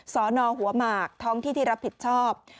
สนหัวหมากท้องที่ที่รับผิดชอบ